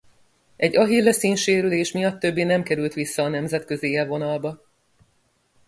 Egy Achilles-ín sérülés miatt többé nem került vissza a nemzetközi élvonalba.